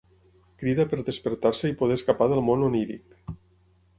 Crida per despertar-se i poder escapar del món oníric.